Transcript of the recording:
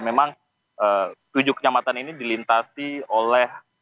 memang tujuh kecamatan ini dilintasi oleh